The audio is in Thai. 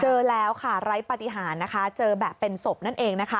เจอแล้วค่ะไร้ปฏิหารนะคะเจอแบบเป็นศพนั่นเองนะคะ